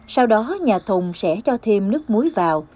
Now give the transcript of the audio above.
sau đó nhà thùng sẽ cho thêm nước muối vào